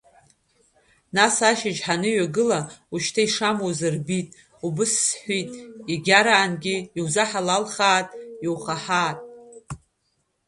Нас ашьыжь ҳаныҩагыла, ушьҭа ишамуаз рбит, убыс сҳәит иагьраангьы иузыҳалалхаат, иухаҳаат!